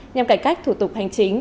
nhằm cải cách thủ tục hành chính